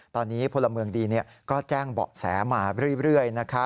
ตอนนี้พลเมืองดีก็แจ้งเบาะแสมาเรื่อย